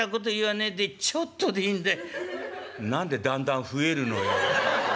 「何でだんだん増えるのよ。